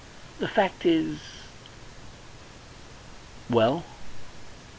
The fact is " "Well?"